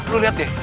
lo lihat deh